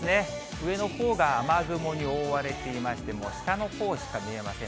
上のほうが雨雲に覆われていまして、下のほうしか見えません。